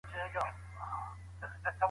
که عصبیت کمزوری سي دولت ماتیږي.